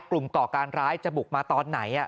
ก่อการร้ายจะบุกมาตอนไหน